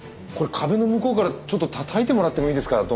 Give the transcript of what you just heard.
これ壁の向こうからちょっとたたいてもらってもいいですか？